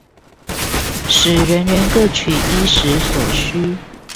使人人各取衣食所需